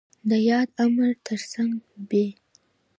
د ياد امر تر څنګ ب